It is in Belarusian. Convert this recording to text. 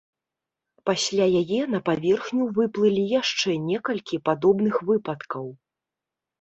Пасля яе на паверхню выплылі яшчэ некалькі падобных выпадкаў.